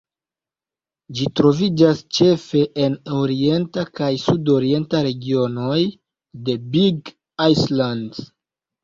Ĝi troviĝas ĉefe en orienta kaj sudorienta regionoj de Big Island.